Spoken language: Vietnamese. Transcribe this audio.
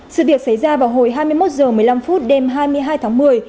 sự việc xảy ra vào hồi hai mươi một h một mươi năm đêm hai mươi hai tháng một mươi